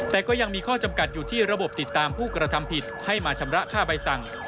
แต่ก็ยังมีข้อจำกัดอยู่ที่ระบบติดตามผู้กระทำผิดให้มาชำระค่าใบสั่ง